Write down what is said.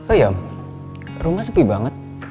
oh iya om rumah sepi banget